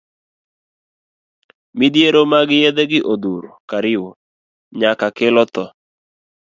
Midhiero mag yedhe gi odhuro kariwo nyako kelo tho.